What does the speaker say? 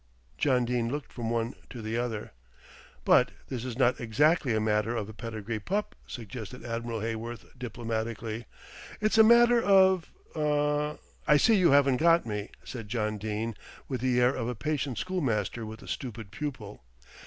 John Dene looked from one to the other. "But this is not exactly a matter of a pedigree pup," suggested Admiral Heyworth diplomatically. "It's a matter of er " "I see you haven't got me," said John Dene with the air of a patient schoolmaster with a stupid pupil.